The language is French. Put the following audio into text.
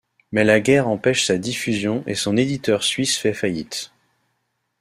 Mais la guerre empêche sa diffusion et son éditeur suisse fait faillite.